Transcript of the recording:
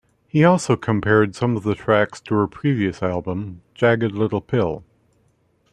He also compared some of the tracks to her previous album, "Jagged Little Pill".